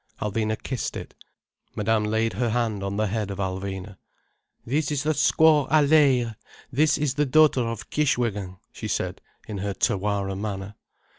Alvina kissed it. Madame laid her hand on the head of Alvina. "This is the squaw Allaye, this is the daughter of Kishwégin," she said, in her Tawara manner.